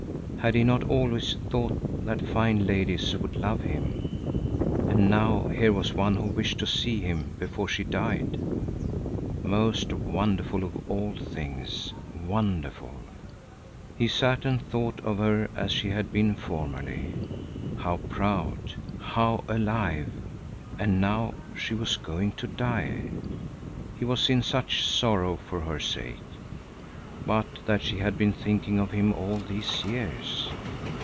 Had he not always thought that fine ladies would love him? And now here was one who wished to see him before she died. Most wonderful of all things wonderful!—He sat and thought of her as she had been formerly. How proud, how alive! And now she was going to die. He was in such sorrow for her sake. But that she had been thinking of him all these years!